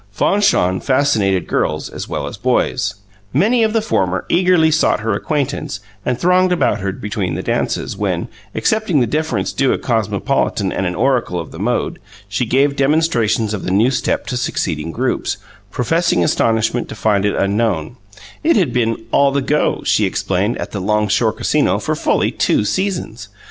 Fanchon fascinated girls as well as boys. Many of the former eagerly sought her acquaintance and thronged about her between the dances, when, accepting the deference due a cosmopolitan and an oracle of the mode, she gave demonstrations of the new step to succeeding groups, professing astonishment to find it unknown: it had been "all the go," she explained, at the Long Shore Casino for fully two seasons.